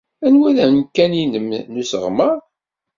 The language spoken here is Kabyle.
Anwa ay d amkan-nnem n usseɣmer?